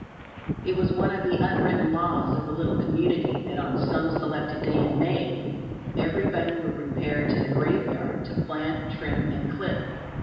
It was one of the unwritten laws of the little community that on some selected day in May everybody would repair to the graveyard to plant, trim and clip.